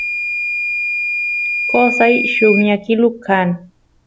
qosay lluqñakilu kan